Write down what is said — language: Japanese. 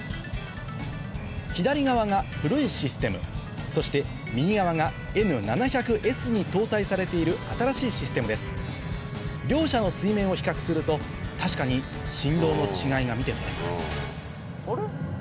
左側が古いシステムそして右側がＮ７００Ｓに搭載されている新しいシステムです両者の水面を比較すると確かに振動の違いが見て取れますあれ？